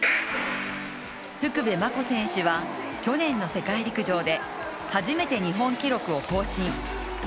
福部真子選手は去年の世界陸上で初めて日本記録を更新。